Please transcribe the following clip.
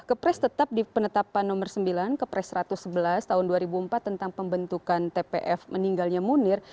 kepres tetap di penetapan nomor sembilan kepres satu ratus sebelas tahun dua ribu empat tentang pembentukan tpf meninggalnya munir